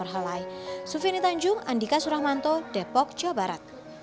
kurang dari lima puluh juta perhelai